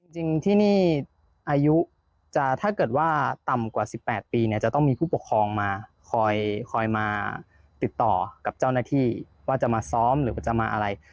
จริงที่นี่อายุจะถ้าเกิดว่าต่ำกว่า๑๘ปีเนี่ยจะต้องมีผู้ปกครองมาคอยมาติดต่อกับเจ้าหน้าที่ว่าจะมาซ้อมหรือว่าจะมาอะไร